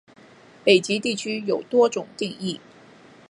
北极地区有多种定义。